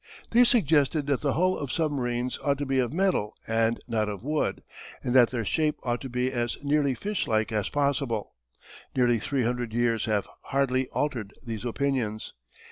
They suggested that the hull of submarines ought to be of metal and not of wood, and that their shape ought to be as nearly fishlike as possible. Nearly three hundred years have hardly altered these opinions.